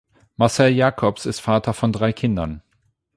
Marcell Jacobs ist Vater von drei Kindern.